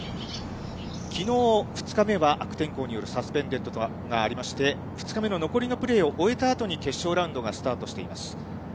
きのう２日目は、悪天候によるサスペンデッドがありまして、２日目の残りのプレーを終えたあとに決勝ラウンドがスタートしています。